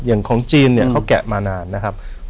อย่างของจีนเขาแกะมานานนะครับ